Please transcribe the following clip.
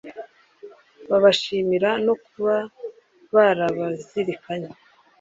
babashimira no kuba barabazirikanye